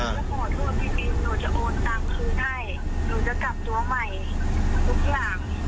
ถ้าเกิดขอโทษพี่กิ๊น